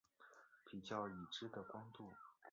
比较已知的光度。